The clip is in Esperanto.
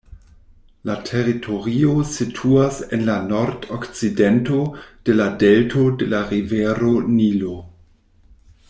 La teritorio situas en la nordokcidento de la delto de la rivero Nilo.